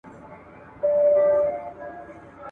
د ميرويس نيکه پيوند دی !.